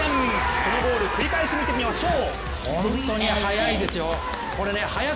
このゴール、繰り返し見てみましょう。